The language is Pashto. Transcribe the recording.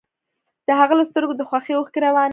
د هغه له سترګو د خوښۍ اوښکې روانې وې